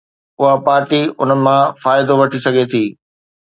اها پارٽي ان مان فائدو وٺي سگهي ٿي